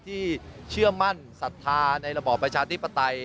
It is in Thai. ที่เชื่อมั่นศัฒนาในระบอประชาธิปไตย